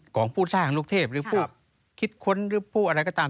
ของผู้สร้างลูกเทพหรือผู้คิดค้นหรือผู้อะไรก็ตาม